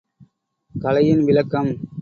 கலையின் விளக்கம் ….